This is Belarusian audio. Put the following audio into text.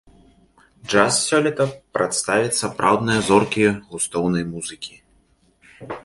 Джаз сёлета прадставяць сапраўдныя зоркі густоўнай музыкі.